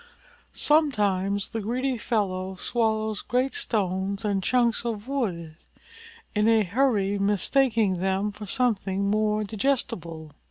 Sometimes the greedy fellow swallows great stones and chunks of wood, in his hurry mistaking them for something more digestible.